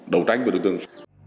đầu tranh với đối tượng